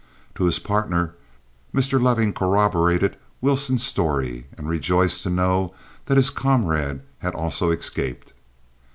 To his partner, Mr. Loving corroborated Wilson's story, and rejoiced to know that his comrade had also escaped.